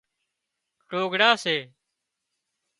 ٽوگھڙا سي